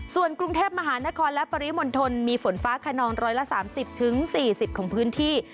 ส่วนกรุงเทพมหานครและปริมณฑลมีฝนฟ้าขนอง๑๓๐๔๐ของพื้นที่